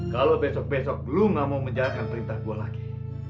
kalau besok besok lu gak mau menjalankan perintah gue lagi